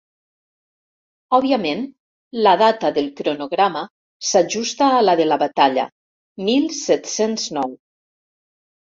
Òbviament, la data del cronograma s'ajusta a la de la batalla: mil set-cents nou.